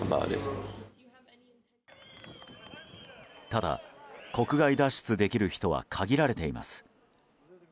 ただ、国外脱出できる人は限られています。